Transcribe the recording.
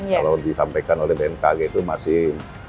kalau disampaikan oleh bmkg itu masih